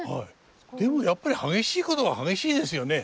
でもやっぱり激しいことは激しいですよね。